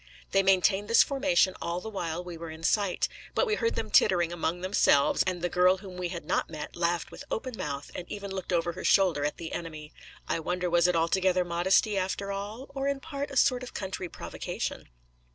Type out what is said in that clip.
They maintained this formation all the while we were in sight; but we heard them tittering among themselves, and the girl whom we had not met laughed with open mouth, and even looked over her shoulder at the enemy. I wonder was it altogether modesty after all? or in part a sort of country provocation?